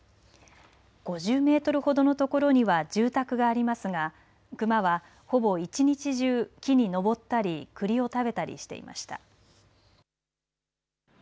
５０メートルほどのところには住宅がありますが熊はほぼ一日中木に登ったりくりを食べたりしていました。